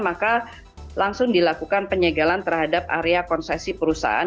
maka langsung dilakukan penyegalan terhadap area konsesi perusahaan